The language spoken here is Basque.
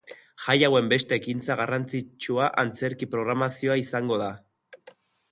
Jai hauen beste ekintza garrantzitsua antzerki programazioa izango da.